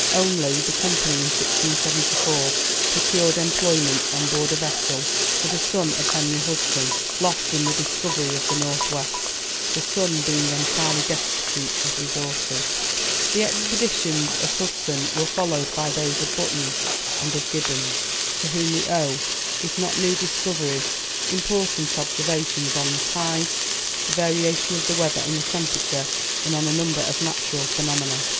Only, the Company, in 1674, procured employment, on board a vessel, for the son of Henry Hudson, "lost in the discovery of the North west," the son being entirely destitute of resources. [Illustration: Hudson abandoned by his crew.] The expeditions of Hudson were followed by those of Button and of Gibbons, to whom we owe, if not new discoveries, important observations on the tides, the variation of the weather and the temperature, and on a number of natural phenomena.